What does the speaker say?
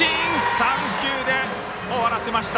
３球で終わらせました。